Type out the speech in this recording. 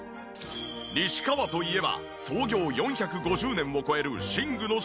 西川といえば創業４５０年を超える寝具の老舗。